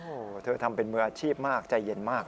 โอ้โหเธอทำเป็นมืออาชีพมากใจเย็นมาก